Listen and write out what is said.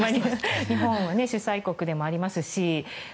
日本は主催国でもありますし。